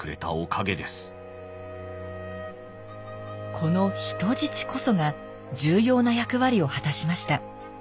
この「人質」こそが重要な役割を果たしました。